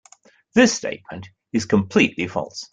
This statement is completely false.